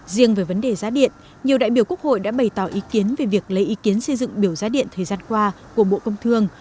riêng về vấn đề giá điện nhiều đại biểu quốc hội đã bày tỏ ý kiến về việc lấy ý kiến xây dựng biểu giá điện thời gian qua của bộ công thương